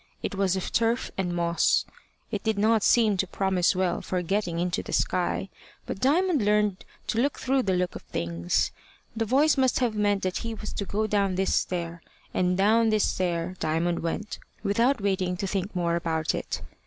It was of turf and moss. It did not seem to promise well for getting into the sky, but Diamond had learned to look through the look of things. The voice must have meant that he was to go down this stair; and down this stair Diamond went, without waiting to think more about it.